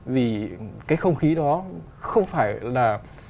vì cái không khí đó không phải là